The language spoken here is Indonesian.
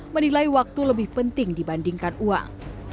menilai waktu lebih penting dibandingkan uang